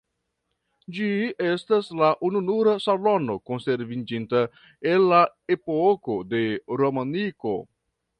Ĝi estas la ununura salono konserviĝinta el la epoko de romaniko.